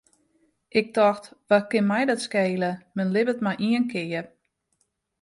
Ik tocht, wat kin my dat skele, men libbet mar ien kear.